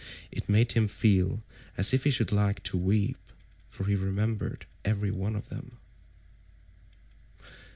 It made him feel as if he should like to weep, for he remembered every one of them.